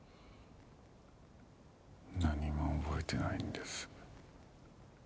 何も覚えてないんです。